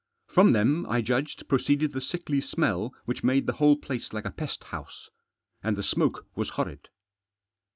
From them, I judged, proceeded the sickly smell which made the whole place like a pest house. And the smoke was horrid.